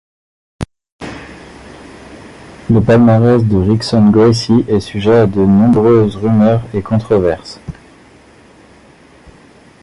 Le palmarès de Rickson Gracie est sujet à de nombreuses rumeurs et controverses.